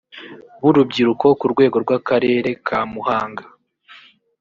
b urubyiruko ku rwego rw akerere kamuhanga